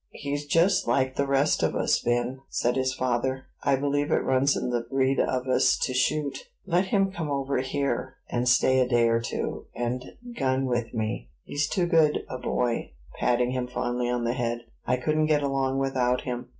"He's just like the rest of us, Ben," said his father: "I believe it runs in the breed of us to shoot." "Let him come over here, and stay a day or two, and gun with me." "He's too good a boy," patting him fondly on the head; "I couldn't get along without him."